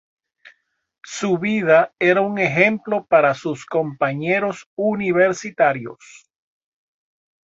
Su vida era un ejemplo para sus compañeros universitarios.